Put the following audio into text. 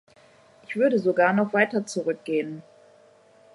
Ich würde sogar noch weiter zurückgehen.